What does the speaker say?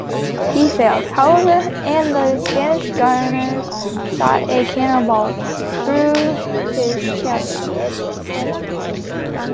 He failed, however, and the Spanish gunners shot a cannonball through his cabin.